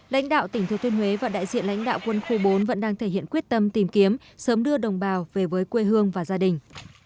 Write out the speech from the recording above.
lãnh đạo tỉnh thừa thiên huế và đại diện lãnh đạo quân khu bốn vẫn đang thể hiện quyết tâm tìm kiếm sớm đưa đồng bào về với quê hương và gia đình